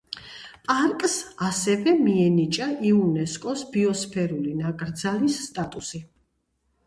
პარკს ასევე მიენიჭა იუნესკოს ბიოსფერული ნაკრძალის სტატუსი.